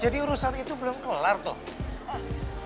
jadi urusan itu belum kelar toh